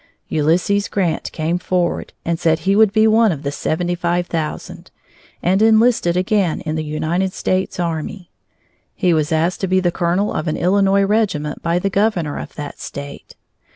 Ulysses Grant came forward, and said he would be one of these seventy five thousand, and enlisted again in the United States Army. He was asked to be the colonel of an Illinois regiment by the governor of that State.